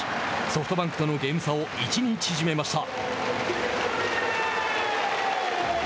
ソフトバンクとのゲーム差を１に縮めました。